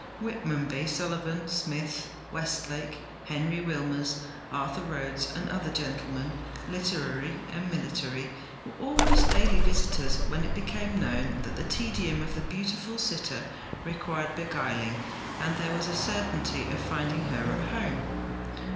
Whitmonby, Sullivan Smith, Westlake, Henry Wilmers, Arthur Rhodes, and other gentlemen, literary and military, were almost daily visitors when it became known that the tedium of the beautiful sitter required beguiling and there was a certainty of finding her at home.